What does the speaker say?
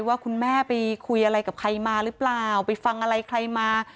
ว่าคุณแม่ไปคุยอะไรกับใครมาหรือเปล่าไปฟังอะไรใครมา